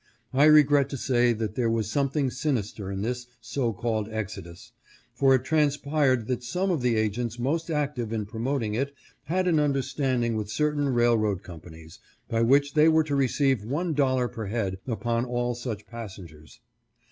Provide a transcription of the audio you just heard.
I regret to say that there was something sinister in this so called 524 THE EXODUS MOVEMENT. exodus, for it transpired that some of the agents most active in promoting it had an understanding with certain railroad companies, by which they were to receive one dollar per head upon all such passengers.